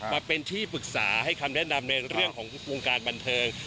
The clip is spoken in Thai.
มาเป็นที่ปรึกษาให้คำแนะนำในเรื่องของวงการบันเทิง